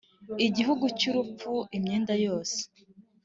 igihugu cyurupfu imyenda yose